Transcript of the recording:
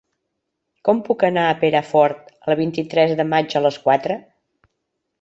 Com puc anar a Perafort el vint-i-tres de maig a les quatre?